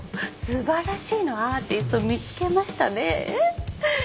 素晴らしいのアーティスト見つけましたねぇ。